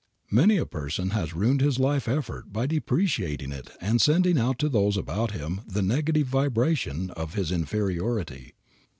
Many a person has ruined his life effort by depreciating it and sending out to those about him the negative vibration of his inferiority.